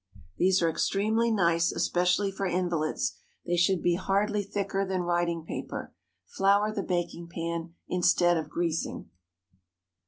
These are extremely nice, especially for invalids. They should be hardly thicker than writing paper. Flour the baking pan instead of greasing.